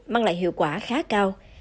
mang lại hiệu quả khá cao